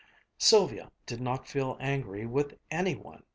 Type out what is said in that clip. Sylvia did not feel angry with any one.